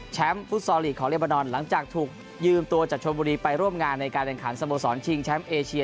ฟุตซอลลีกของเรบานอนหลังจากถูกยืมตัวจากชนบุรีไปร่วมงานในการแข่งขันสโมสรชิงแชมป์เอเชีย